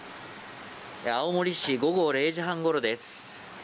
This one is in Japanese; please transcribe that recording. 青森市午後０時半ごろです。